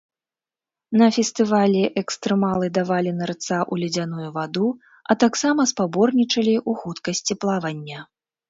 На фестывалі экстрэмалы давалі нырца ў ледзяную ваду, а таксама спаборнічалі ў хуткасці плавання.